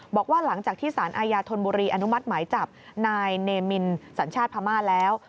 บอกว่าหลังจากที่สารอาญาธนบุรีอนุมัติหมายจับนายเนมินสัญชาติพม่าแล้ว